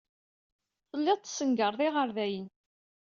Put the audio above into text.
Telliḍ tessengareḍ iɣerdayen.